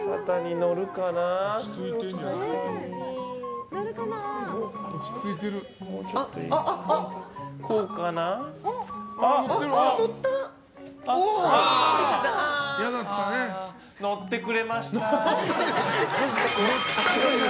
乗ってくれました。